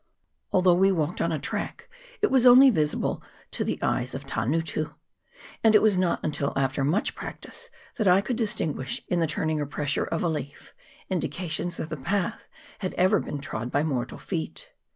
Although we walked on a track, it was one visible only to the eyes of Tangutu ; and it was not until after much practice that I could distin guish, in the turning or the pressure of a leaf, indi cations that the path had ever been trod by mortal feet.